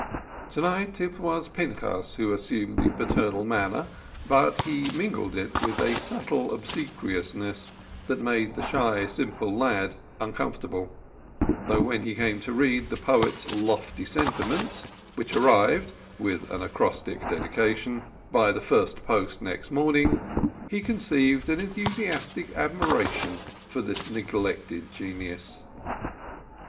To night it was Pinchas who assumed the paternal manner, but he mingled it with a subtle obsequiousness that made the shy simple lad uncomfortable, though when he came to read the poet's lofty sentiments which arrived (with an acrostic dedication) by the first post next morning, he conceived an enthusiastic admiration for the neglected genius.